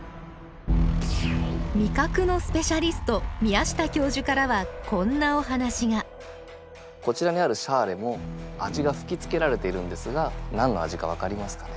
味覚のスペシャリスト宮下教授からはこんなお話がこちらにあるシャーレも味が吹きつけられているんですが何の味か分かりますかね？